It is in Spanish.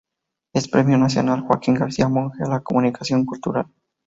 Es "Premio Nacional "Joaquín García Monge" a la comunicación cultural".